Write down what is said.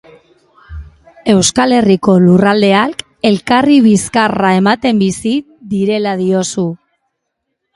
Euskal Herriko lurraldeak elkarri bizkarra ematen bizi direla diozu.